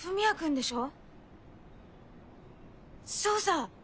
そうさ！